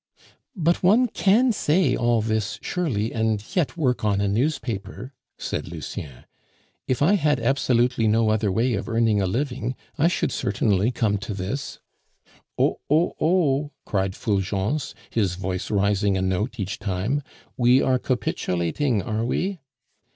"But one can say all this, surely, and yet work on a newspaper," said Lucien. "If I had absolutely no other way of earning a living, I should certainly come to this." "Oh! oh! oh!" cried Fulgence, his voice rising a note each time; "we are capitulating, are we?"